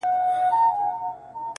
o د بل کټ تر نيمو شپو دئ٫